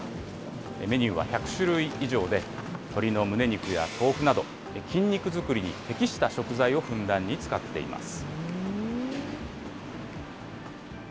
メニューは１００種類以上で、鶏のむね肉や豆腐など、筋肉作りに適した食材をふんだんに使っています。